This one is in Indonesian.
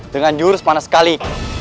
dengan jurus mana sekali